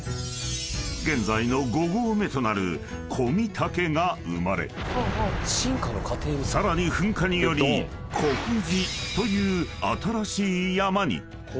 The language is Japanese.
［現在の５合目となる小御岳が生まれさらに噴火により古富士という新しい山に］